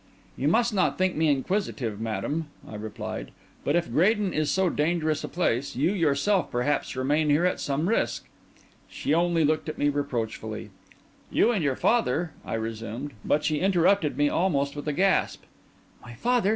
"You must not think me inquisitive, madam," I replied; "but, if Graden is so dangerous a place, you yourself perhaps remain here at some risk." She only looked at me reproachfully. "You and your father—" I resumed; but she interrupted me almost with a gasp. "My father!